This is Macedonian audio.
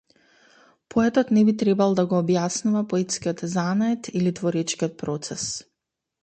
Поетот не би требал да го објаснува поетскиот занает или творечкиот процес.